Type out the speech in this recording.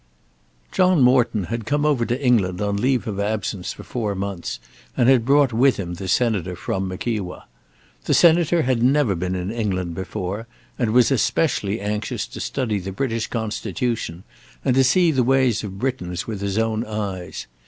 John Morton had come over to England on leave of absence for four months, and had brought with him the Senator from Mickewa. The Senator had never been in England before and was especially anxious to study the British Constitution and to see the ways of Britons with his own eyes.